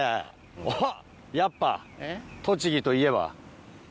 おっやっぱ栃木といえば。